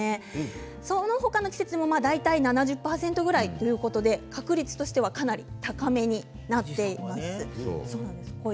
その他の季節も大体７０％ぐらいということで確率としてはかなり高めになっています。